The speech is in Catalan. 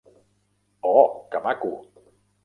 Oh, que maco!